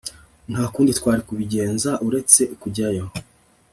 Nta kundi twari kubigenza uretse kujyayo